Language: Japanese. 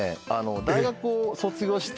大学を卒業してえっ！？